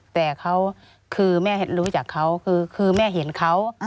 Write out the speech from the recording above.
แต่เขาคือแม่รู้จักเขาคือแม่เห็นเขา